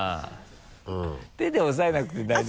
手で押さえなくて大丈夫。